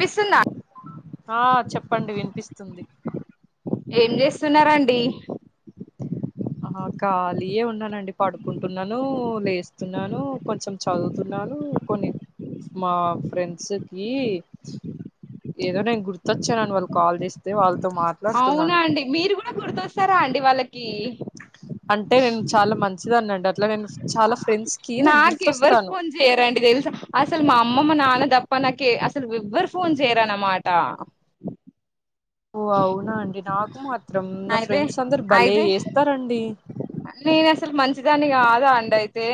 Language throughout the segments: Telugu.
వినిపిస్తుందా ఆ చెప్ప పండు వినిపిస్తుంది ఏం చేస్తున్నారండి ఆ ఖాళీయే ఉన్నానండి పడుకుంటున్నాను లేస్తున్నాను కొంచెం చదువుతున్నాను కొన్ని మా ఫ్రెండ్స్కి ఏదో నేను గుర్తొచ్చానుని వాళ్ళు కాల్ చేస్తే వాళ్ళ అవునా అండి మీరు కూడా గుర్తొస్తారా అండి వాళ్ళకి అంటే నేను చాలా మంచి మంచి దాన్ని అట్లా నేను చాలా ఫ్రెండ్స్ కి నేను నాక ఎవ్వరు గుర్తొస్తాను ఫోన్ చెయరండి తెలు అసలు మా అమ్మమ్మ నాన్న తప్ప నాక అసలు ఎవ్వరు ఫోన్ చేయరన అన్నమాట ఓ అవునా అండి నాకు మాత్రం నా అయితే ఫ్రెండ్స్ అందరు భలే అయితే చేస్తారండి దాని కాదా అండి అయితే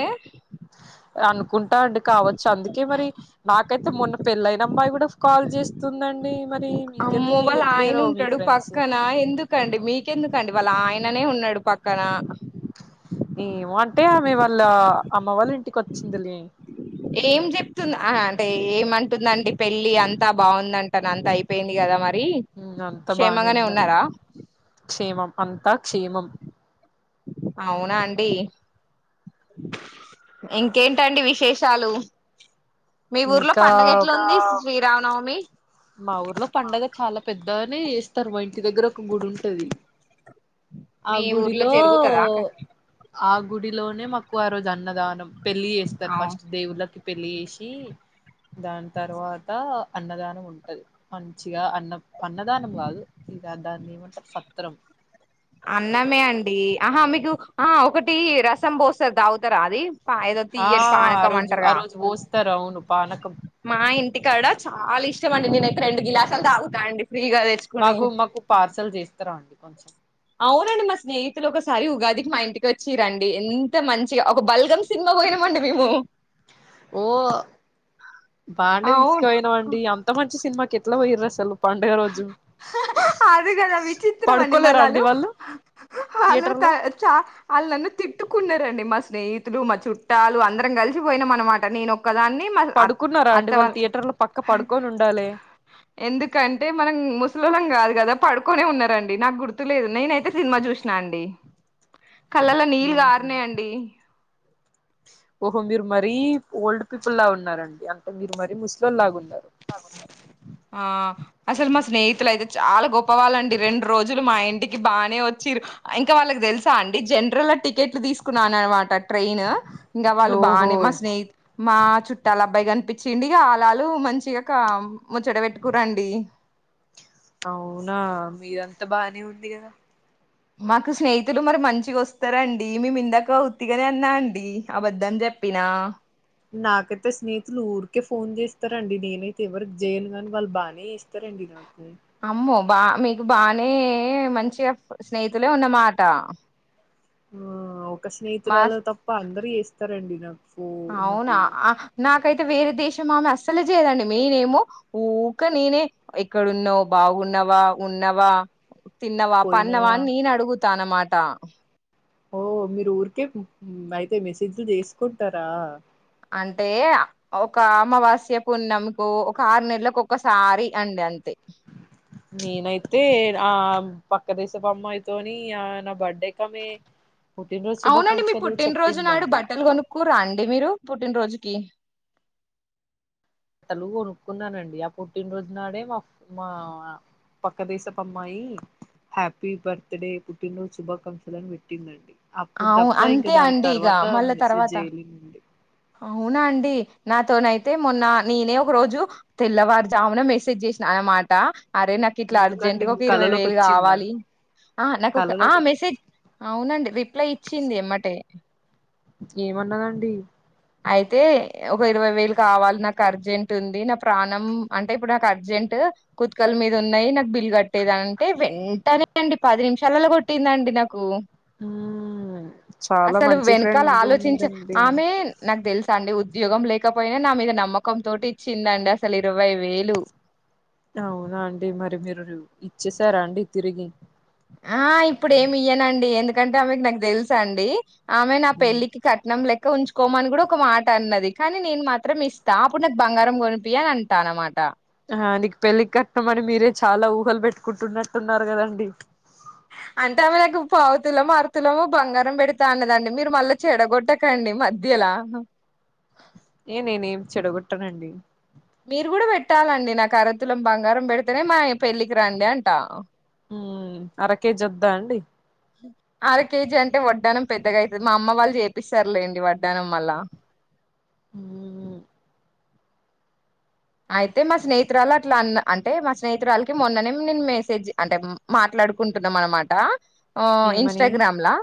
అనుకుంటాండి కావచ్చు చందుకే మరి నాకు అయితే మొన్న పెళ్ళయిన అమ్మాయి కూడా కాల్ చేస్తుందండి మరి అమ్మో మీకెందుకు వాళ్ళ ఆయన చెయ్యట్లేరో మీ ఉంటాడు ఫ్రెండ్స్ పక్కన ఎందుకండి మీకెందుకండి వాళ్ళ ఆయననే ఉన్నాడు పక్క క్కన ఏమో అంటే ఆమె వాళ్ళ అమ్మ వాళ్ళ ఇంటికి వచ్చింది లే ఏం చెప్తుంది అంటే ఏమ అంటుందండి పెళ్ళి అంతా బాగుందంటా పని అంత అయిపోయింది కదా మరి అంత బానే క్షేమంగానే ఉంది అంత ఉన్నారా క్షేమం అంత క క్షేమం అవునా అండి ఇంకేంటండి విశేషాలు మీ ఊర్లో ఇంకా పండగ ఎట్లాగ ఉంది శ్రీ రామనవమి మా ఊర్లో పండుగ చాలా పెద్ద దానే చేస్తారు మా ఇంటి దగ్గర ఒక గుడి ఉంటది ఆ మీ ఊర్లో గుడిలో జరుగుతదా ఆ గుడిలోనే మాకు ఆ రోజు అన్నదానం పెళ్ళి చేస్తారు ఫస్ట్ దేవుళ్ళకి పెళ్ళి చేసి దాని తర్వాత అన్నదానం ఉంటుంది మంచిగా అన్న అన్నదానం కాదు ఇక దాన్ని ఏమంటారు సత్రం అన్నమే అండి ఆహా మీకు ఆ ఒకటి రసం పోస్తారు తాగుతారా అది ఏదో ఆ తీయ్యటి ఆ పానకం రోజు ఆ అంటారుగా రోజు పోస్తారు ఆవును పనకం మా ఇంటికాడ చాలా ఇష్టంమండి నేను అయితే రెండు గ్లాసాలు తాగుతా అండి ఫ్రీగా తెచ్చుకుని మాకు మాకు పార్సల్ చేస్తారా అండి కొంచెం అవునండి మా స్నేహితులు ఒక ఒకసారి ఉగాదికి మా ఇంటికి వచ్చి రండి ఎంత మంచిగా ఒక బల్గమ్ సినిమా పోయినామండి మేము ఓ.. బాండ తీసుకపోయినామండి అవును అంత మంచి సినిమా ఏట్లా పోయిన్రు అసలు పండుగ రోజు అది కదా విచిత్రమండి పడుకోలేరా అండి మలాలు వాళ్ళు అలు థియేటర్ త లో చ అల్లు నన్ను తిట్టుకున్నారండి మా స్నేహితులు మా చుట్టాలు అందరం కలిసిపోయినం అన్నమాట నేను ఒక్కదాన్ని మా అత్ పడుకున్నారా అత్త అండి వాళ్ళు వాళ్ళ థియేటర్ లో పక్కా పడుకొని ఉండాలే. ఎందుకంటే మనం ముసలోళ్ళం కాదు కదా పడుకొనే ఉన్నారండి. నాకు గుర్తులేదు నేనయితే సినిమా చూసినా అండి కళ్ళల్లో నీళ్లు గారినయి అండి ఓహో మీరు మరీ ఓల్డ్ పీపుల్ లా ఉన్నారండి అంటే మీరు మరీ ముస్లిం ఆ అసలు మా స్నే [unintelligible] అయితే చాలా గొప్ ప్పవాలండి రెండు రోజులు మా ఇం ఇంటికి బానే వచ్చిరు ఇంకా వాళ్ళకి తెలుసా అండి జనరల్ లో టికెట్లు తీసుకున్నాను అన్నమాట. ట్రైన్ ఇంకా వాళ్ళు ఓహో బానే మా స్నేహితి మా చుట్టాల అబ్బాయి గాని [unintelligible] ఆలా డు మంచిగా ముచ్చట పెట్టుకురండి అవునా మీరంతా బానే ఉంది కదా మాకు స్నేహితులు మరి మంచిగా వస్తారండి మేమి ఇందాక ఉత్తిగానే అన్నా అండి అబద్దం చెప్పినా నాకైతే స్నేహితులు ఊరికే ఫోన్ చేస్తారండి నేనైతే ఎవరికి చేయన్ కాని వాళ్ళు బానే చేస్తరండి నాకు అమ్మో బా మీకు బానే మంచిగా స్నేహితులే ఉన్నమాట హ్మ్ ఒక మా స్నేహితురాలు తప్ప అందరూ చేస్ రండిరా అవునా ఆ నా అయితే వేరే దేశం ఆమె అస్సలే చేయదండి మెయిన్ ఏమో ఊక నేనే ఎక్కడున్నావ్ బాగున్నావా ఉన్నవా తిన్నవా పన్నవా పోయినావా అని నేను అడుగుతాన్నమా టా ఓ మీరు ఊరికే అయితే మెసేజ్లు చేసుకుంటారా అంటే ఒక అమావాస్య పుణ్యంకు ఒక ఆరు నెలలకు ఒకసారి అండి అంతే నేనైతే ఆ పక్క దేశపు అమ్మాయితోని ఆ నా బర్త్డే కామె అవునండి మీ పుట్టినరోజు నాడు బట్టలు కొనుక్కోరా అండి మీరు పుట్టినరోజు ఏ బట్టలు కొనుక్కున్నానండి ఆ పుట్టినరోజు నాడే మా మా పక్క దేశపు అమ్మాయి హ్యాపీ బర్త్డే పుట్టినరోజు శుభాకాంక్షలని పెట్టిందండి. అప్పుడు అవు తప్ప ఇంకా అంతే దాని అండి ఇక తర్వాత మళ్ళా మెసేజ్ తర్వాత జైలేదండి అవునా అండి నాతోనైతే మొన్న నేనే ఒక రోజు తెల్లవారుజామున మెసేజ్ చేసినా అన్నమాట. అరే నాకు ఇట్లా ఎందుకండి అర్జెంట్గా ఒక ఇరవై కళలోకి వేలు వచ్చిందా కావాలి ఆ నాకు ఒక ఆ కళలోకి మెసేజ్ అవునండి రిప్లై ఇచ్చింది ఎమ్మటే ఏమన్నాడండి అయితే ఒక ఇరవై వేలు కావాలి నాకు అర్జెంట్ ఉంది నా ప్రాణం అంటే ఇప్పుడు నాకు అర్జెంట్ కుతికల మీద ఉన్నాయి నాకు బిల్ కట్టేది అంటే వెంటనే అండి పది నిమిషాలలో కొట్టిందండి నాకు హు అసలు వెనకాల ఆలోచించే ఆమె నాకు తెలుసు అండి ఉద్యోగం లేకపోయినా నా మీద నమ్మకం తోటి ఇచ్చిందండి అసలు ఇరవై వేలు అవునా అండి మరి మీరు ఇచ్చేశార అండి తిరిగి ఆ ఇప్పుడు ఏమి ఇయ్యనండి ఎందుకంటే ఆమెకు నాకు తెలుసా అండి ఆమె నా పెళ్ళికి కట్నం లెక్క ఇ ఉంచుకోమని కూడా ఒక మాట అన్నది కానీ నేను మాత్రం ఇస్తా అప్పుడు నాకు బంగారం కొనిపి అని అంటా అనమాట ఆ నీకు పెళ్ళి కట్టం అని మీరే చాలా ఊహలు పెట్టుకుంటున్నట్టున్నారు కదండి. అంటే ఆమెకు పావుతులము అర్ధ తులం బంగారం పెడతా అన్నదండి మీరు మళ్ళా చెడగొట్టకండి మధ్యలా ఏ నేనేం చెడగొట్టనండి ట్టాలండి నాకు అరతులం బంగ బంగారం పెడుతేనే మా పెళ్లికి కి రండి అంటా హు అర కేేజీ వద్దా అండి అర కేజీ అంటే వడ్డానం పెద్దగా అయితది మా అమ్మ వాళ్ళు చేపిస్తారులేండి వడ్డానం మళ్ళ హు అయితే మా స్నేహితురాలు అట్లా అన్న అంటే మా స్నేహితురాలకి మొన్ననే నేను మెసేజ్ అంటే మాట్లాడుకుంటున్నాం అనమాట ఏమని ఇన్స్టాగ్రామ్ లా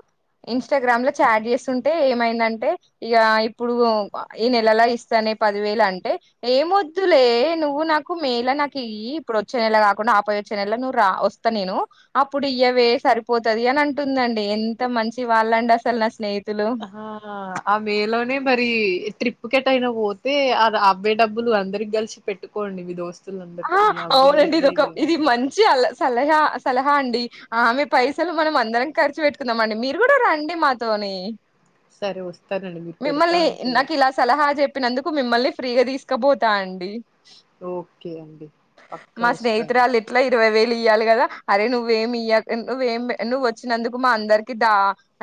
ఇన్స్టాగ్రామ్ లో చాట్ చేస్తుంటే ఏమైందంటే ఇక ఇప్పుడు ఈ నెలలా ఇస్తానే పదివేలు అంటే ఏమో వద్దులే నువ్వు నాకు మేల నాకు ఇ ఇప్పుడు వచ్చే నెల కాకుండా ఆపైయి వచ్చే నెల నువ్వు రా వస్తా నేను అప్పుడు ఇయ్యవే సరిపోతది అని అంటుందండి ఎంత మంచి వాళ్ళండి అసలు నా స్నేహి ఆ మే లోనే మరి ట్రీప్ ట్రిప్ కు ఎటైనా పోతే అ అవే డబ్బులు అందరికి కలిసి పెట్టుకోండి మీ దోస్తు ఆ అవునండి ఇదొక ఇది మంచి అలా సలహా సలహా అండి ఆమె పైసలు మనం అందరం ఖర్చు పెట్టుకున్నాం అండి మీరు కూడా రండి మాతోని సరే వస్తానండి మీ మిమ్మల్ని పేడుతాంటే నాకు ఇలా సలహా చెప్పినందుకు మిమ్మల్ని ఫ్రీగా తీసుకపోతా అండి ఓకే ఓకే అండి పక్కా మా వస్తాను స్నేహితురాలు ఇట్లా ఇరవై వేలు ఇయ్యాలి కదా అరే నువ్వేమి ఇ నువ్వేం నువ్ వచ్చినందుకు మా అందరికి ద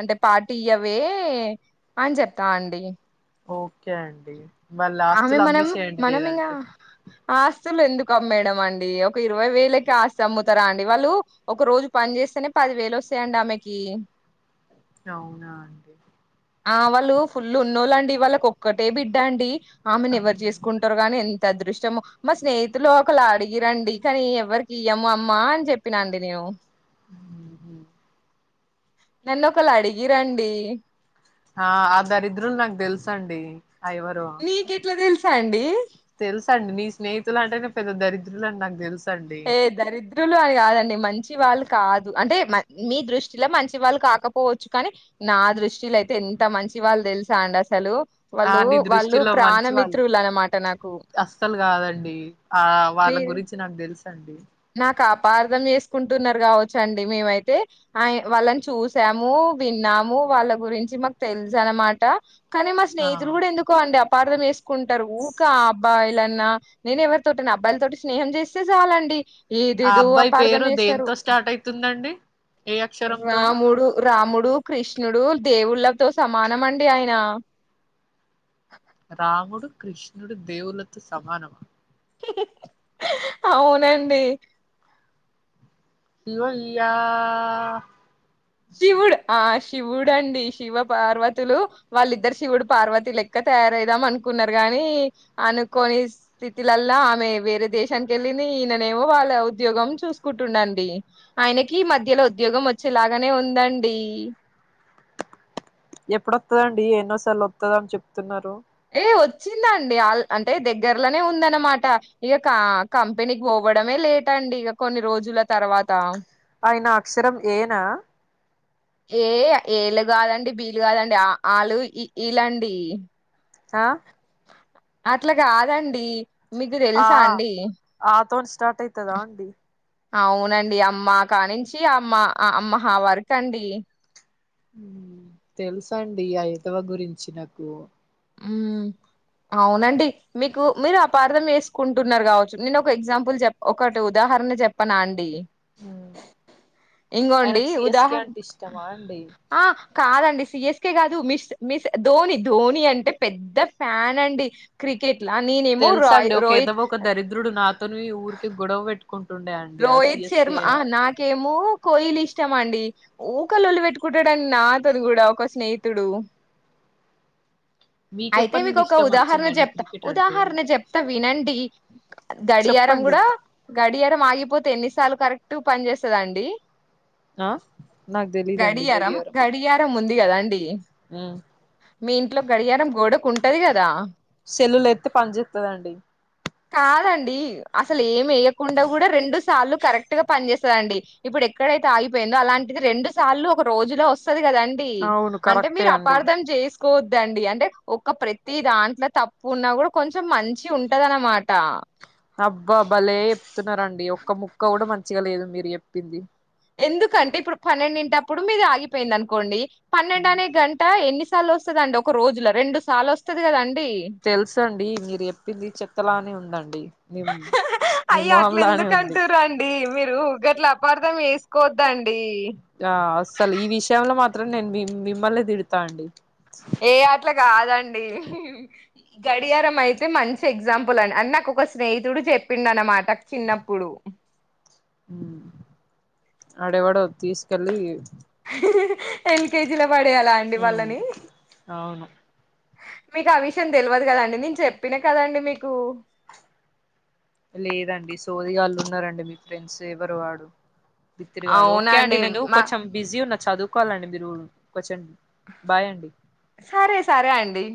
అంటే పార్టీ ఇయ్యవే అని చెప్తా అండి ఓకే అండి మల్ల ఆమె ఆస్తులు అమ్మే మనం చెయండి మనం ఇంగా లేదంటే ఆస్తులు ఎందుకు అమ్మేయడం అండి ఒక ఇరవై వేలకి అస్తి అమ్ముతారా అండి వాళ్ళు ఒక రోజు పని చేస్తేనే పది వేలు వస్తాయండి ఆమెకి అవునా అండి ఆ వాళ్ళు ఫుల్లు ఉన్నోళ్ళండి వాళ్ళకి ఒక్కటే బిడ్డా అండి ఆమెను ఎవరు అవును. చేసుకుంటారు గానీ ఇంత అదృష్టమో మా స్నేహితులు ఒకళ అడిగిరండి కానీ ఎవ్వరికి ఇయ్యము అమ్మా అని చెప్పినండి నేను మ్మ్. నన్ను ఒకళు అడిగి రండి ఆ ఆ దరిద్రులు నాకు తెలుసండి ఆ నీ కెట్లా తెలుసు సండి తెలుస అండి నీ స్నేహితులు అంటే నే పెద్ద దరిద్రులు అని నాకు తెలుసు ఏ దరిద్రులు అని కాదండి మంచి వాళ్ళు కాదు అంటే మీ దృష్టిలో మంచి వాళ్ళు కాకపోవచ్చు కానీ నా దృష్టిలో అయితే ఎంత మంచి వాళ్ళు తెలుసా అండి అసలు ఆ వాళ్ళు నీ వాళ్ళు దృష్టిలో మంచి వాళ్ళు ప్రాణమిత్రులు అనమాట నాకు అ [unintelligible] ఆ వాళ్ళ గురించి నాకు తెలుసు సండే క అపార్థం చేసుకుంటున్నారు కావచ్చు అండి మేమైతే ఆ వాళ్ళని చూసాము, విన్నాము వాళ్ళ గురించి మాకు తెలుసు అన్నమాట. కానీ మా ఆ స్నేహితులు కూడా ఎందుకో అండి అ అపార్దం చేస్ కుంటరు ఊకా అబ్బాయిలన్నా నేను ఎవరితోటన అబ్బాయిల తోటి స్నేహం చేస్తే చాలండి ఆ ఏదేదొ అబ్బాయి అపార్ధం పేరు చేస్తారు దేంతో స్టార్ట్ అయితుందండి ఏ అక్షరంతోని రాముడు రాముడు డు కృష్ణుడు దేవుళ్ళతో సమానం అండి ఆయన రాముడు కృష్ణుడు దేవులతో సమానమా హ్ హ్ అవునండి శివయ్యా శివుడు ఆ శివుడండి. శివ పార్వతులు వాళ్ళిద్దరు శివుడు పార్వతి లెక్క తయారైదాం అనుకున్నారు. గాని అనుకోని స్థితిలల్లో ఆమె వేరే దేశానికి వెళ్ళింది. ఈయననేమో వాళ్ళ ఉద్యోగం చూసుకుంటుండండి. ఆయనకి మధ్యలో ఉద్యోగం వచ్చేలాగా తనే ఉందండి ఎప్పుడొత్తదండి ఎన్నో సార్లు వత్తదని చెప్తున్నారు అ వచ్చిందండి అంటే దగ్గర్లోనే ఉందనమాట ఇక క కంపెనీకి పోవడమే లేటండి ఇక కొన్ని రోజుల తర్వాత ఆయన అక్షరం ఏ నా ఏ ఏలు కాదండి బీలు కాదండి ఆ వాళ్లు ఇ ఈ లండి ఆ అట్లా కాదండి మీకు ఆ తెలుసా అండి ఆ తోని స్టార్ట్ అయితదా అండి అవునండి అమ్మ కానించి అమ్మ అం అహ వరకండి తెలుసండి ఆ వెదవ గురించి నాకు ఉ అవునండి మీకు మీరు అపార్థం చేసుకుంటున్నారు కావచ్చు నేను ఒక ఎగ్జాంపుల్ చెప్ప ఒకటి ఉదాహరణ చెప్పనా అండి ఇంగోండి ఆయనకు సిఎస్కే ఉదాహరణ అంటే ఇష్టమా అండి ఆ కాదండి సి యెస్ కె కాదు మిస్ మిస్ ధోని ధోని అంటే అంటే పెద్ద ఫ్యాన్ అండి క్రికెట్ లా నేనేమో తెలుస రాయ్ అండి ఒకేదో రోహిత్ ఒక దరిద్రుడు నాతోని ఈ ఊరికి గొడవ పెట్టు రోహిత్ శర్మ నాకేమో కోహ్లీ ఇష్టమ అండి ఊకలళ్ళు పెట్టుకుంటాడని నాతోని కూడా ఒక స్నేహితుడు అయితే మీకెప్పటి మీకు నుండి ఒక ఇష్టం ఉదాహరణ వచ్చిందండి చెప్తా క్రికెట్ అంటే ఉదాహరణ చెప్తా వినండి గడియారం చెప్పండి కూడా గ మా చెప్పింది క పోతే ఎన్నిసార్లు కరెక్ట్ పని చేస్తదండి ఆ నాకు తెలీదండి గడియారం గడియారం ఉంది కదా అండి మీ ఇంట్లో గడియారం గోడకు ఉంటది కదా సెల్లలు ఎత్తే పనిచేస్తదండి కాదండి అసలు ఏమి వేయకుండా కూడా రెండు సార్లు కరెక్ట్ గా పని చేస్తాండి ఇప్పుడు ఎక్కడైతే ఆగిపోయిందో అలాంటిది రెండు సార్లు ఒక రోజులో వస్తుది కదండి అవును అంటే కరెక్టే మీరు అండి అపార్ధం చేసు తీసుకోద్దండి అంటే ఒక ప్రతి దాంట్లో తప్పు ఉన్నా కూడా కొంచెం మంచి ఉంటదనమాట అబ్బా అబలే చెప్తున్నారండి ఒక ముక్క కూడా మంచిగా లేదు మీరు చెప్పింది ఎందుకంటే ఇప్పుడు పన్నెండింటప్పుడు మీరు ఆగిపోయింది అనుకోండి పన్నెండనే గంట ఎన్ని సార్లు వస్తుంద అండి ఒక రోజులో రెండు సార్లు వస్తుది కదండి తెలుస అండి మీరు చెప్పింది చెత్తలానే ఉంది అండి అయ్య అట్ల ఉంది ఎందుకుకంట రండి మీరుగట్లా పపార్థం వేసుకోవద్దండి ఆ అస్సలు ఈ విషయంలో మాత్రం మా నేను మిమ్మల్లే తిడతా అండి ఏ అది అట్లా కాదండి గడియారం అయితే మంచి ఎగ్జాంపుల్ అండి అని నాకు ఒక స్నేహితుడు చెప్పిడు అనమాట చిన్నప్పుడు ఆడేవోడు తీసుకెళ్ళలి ఎల్కజీ పడేయాలా అండి ఉమ్ వాళ్ళని అవును మీకు ఆ విషయం తెలియదు కదండి నేను చెప్పినా కదండి మీకు లేదండి సోదిగాళ్ళున్నారండి మీ ఫ్రెండ్స్ ఎవరు వాడు బిత్రిగాడు ఓకే అండి అవునండి నేను మా కొంచెం బిజీ ఉన్నా చదువు కోవాలండి మీరుగులు సారే సారే ఆండి